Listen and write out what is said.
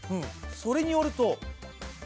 それによるとえ？